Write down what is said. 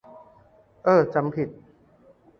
เอ้อ จำผิด